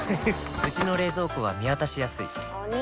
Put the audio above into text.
うちの冷蔵庫は見渡しやすいお兄！